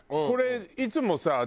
これいつもさ